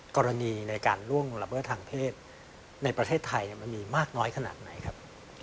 กรณีในการล่วงละเมิดทางเพศในประเทศไทยมันมีมากน้อยขนาดไหนครับ